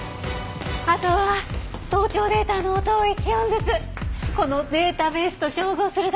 あとは盗聴データの音を１音ずつこのデータベースと照合するだけよ。